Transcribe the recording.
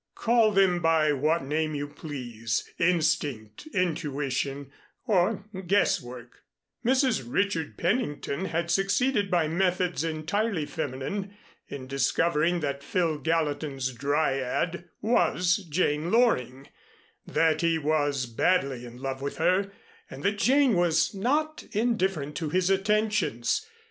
Call them by what name you please, instinct, intuition, or guesswork, Mrs. Richard Pennington had succeeded by methods entirely feminine, in discovering that Phil Gallatin's Dryad was Jane Loring, that he was badly in love with her and that Jane was not indifferent to his attentions.